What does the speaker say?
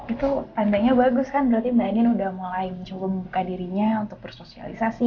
itu tandanya bagus kan berarti mbak anin udah mulai mencoba membuka dirinya untuk bersosialisasi